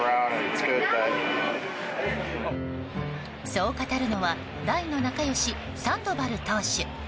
そう語るのは大の仲良し、サンドバル投手。